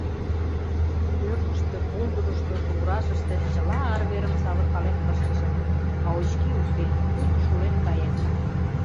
Пӧртыштӧ, пулдырышто, туврашыште чыла арверым савыркален кышкышым, а очки уке, пуйто шулен каен.